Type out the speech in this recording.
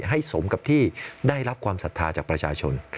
ให้สมกับที่ได้รับความศรัทธาจากประชาชน